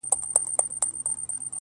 یا علاج ته دي راغلی طبیب غل سي -